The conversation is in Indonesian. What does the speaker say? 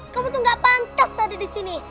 kamu tuh gak pantas ada di sini